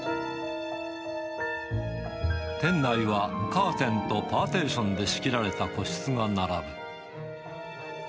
店内はカーテンとパーテーションで仕切られた個室が並ぶ。